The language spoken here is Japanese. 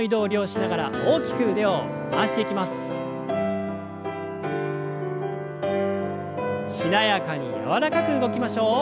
しなやかに柔らかく動きましょう。